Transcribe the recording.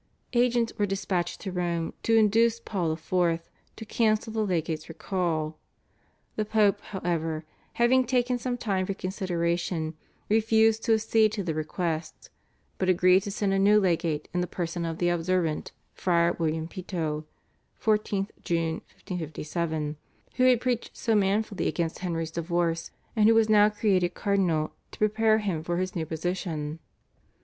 Agents were dispatched to Rome to induce Paul IV. to cancel the legate's recall. The Pope, however, having taken some time for consideration refused to accede to the request, but agreed to send a new legate in the person of the Observant, Friar William Peto (14 June 1557), who had preached so manfully against Henry's divorce, and who was now created cardinal to prepare him for his new position.